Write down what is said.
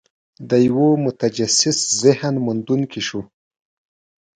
د یوه متجسس ذهن موندونکي شو.